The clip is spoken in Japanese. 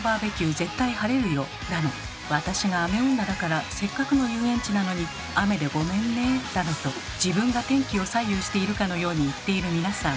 絶対晴れるよ」だの「私が雨女だからせっかくの遊園地なのに雨でごめんね」だのと自分が天気を左右しているかのように言っている皆さん。